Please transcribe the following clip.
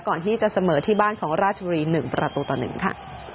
ก่อนที่จะเสมอที่บ้านของราชบุรี๑ประตูต่อ๑ค่ะ